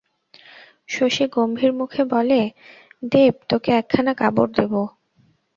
শশী গম্ভীরমুখে বলে, দেব, তোকে একখানা কাপড় দেব।